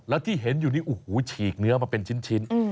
แล้วที่เห็นอยู่นี่โอ้โหฉีกเนื้อมาเป็นชิ้น